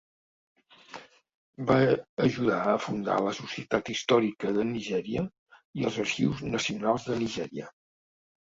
Va ajudar a fundar la Societat Històrica de Nigèria i els Arxius Nacionals de Nigèria.